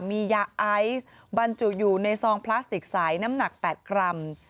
มียาไอซ์บรรจุอยู่ในซองพลาสติกสายน้ำหนัก๘กรัม